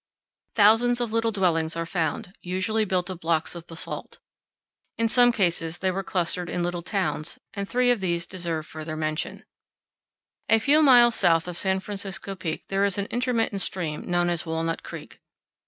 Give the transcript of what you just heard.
Thousands of little dwellings are found, usually built of blocks of basalt. In some cases they were clustered in little towns, and three of these deserve further mention. MESAS AND BUTTES. 41 A few miles south of San Francisco Peak there is an intermittent stream known as Walnut Creek.